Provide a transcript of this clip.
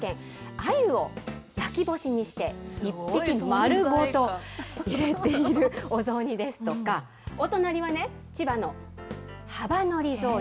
あゆを焼き干しにして、１匹丸ごと入れているお雑煮ですとか、お隣はね、千葉のはばのり雑煮。